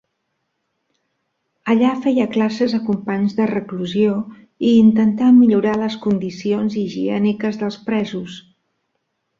Allà feia classes a companys de reclusió i intentà millorar les condicions higièniques dels presos.